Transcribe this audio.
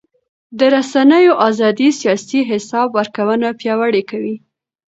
د رسنیو ازادي سیاسي حساب ورکونه پیاوړې کوي